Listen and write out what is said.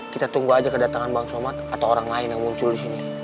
kita tunggu aja kedatangan bang somad atau orang lain yang muncul di sini